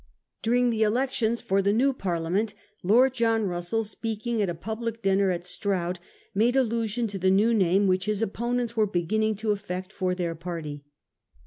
During the elections for the new Parliament, Lord John Russell, speaking at a public dinner at Stroud, made allusion to the new name which his opponents were beginning to affect for their party.